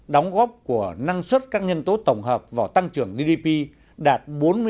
đóng góp của năng suất các nhân tố tổng hợp vào tăng trưởng gdp đạt bốn mươi năm